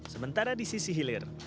sementara di sisi hilir